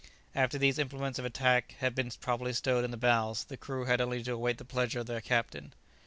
After these implements of attack had been properly stowed in the bows, the crew had only to await the pleasure of their captain.